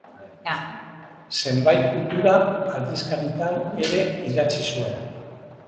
Zenbait kultura aldizkaritan ere idatzi zuen.